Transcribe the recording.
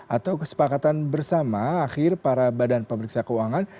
atau kesepakatan bersama akhir para badan pemeriksa keuangan